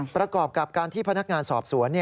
ประกอบกับการที่พนักงานสอบสวน